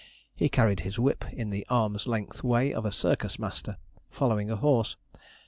He carried his whip in the arm's length way of a circus master following a horse.